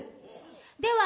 では